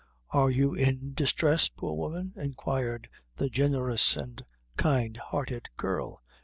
"Are you in distress, poor woman," inquired the generous and kind hearted girl.